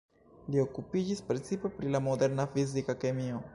Li okupiĝis precipe pri la moderna fizika kemio.